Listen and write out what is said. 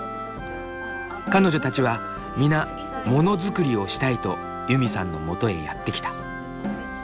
彼女たちは皆ものづくりをしたいとユミさんのもとへやって来た。